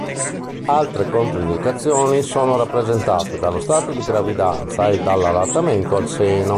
Altre controindicazioni sono rappresentate dallo stato di gravidanza e dall'allattamento al seno.